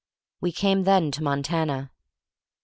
We came then to Mon tana. .